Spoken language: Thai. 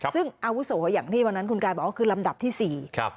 ซึ่งอาวุโสอย่างที่วันนั้นคุณกายบอกว่าคือลำดับที่๔